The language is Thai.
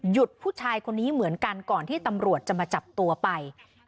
ผู้ชายคนนี้เหมือนกันก่อนที่ตำรวจจะมาจับตัวไป